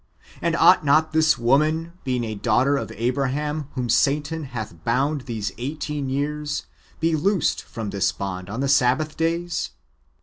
And ought not this woman, being a daughter of Abraham, whom Satan hath bound these eighteen" years, be loosed from this bond on the Sabbath days?"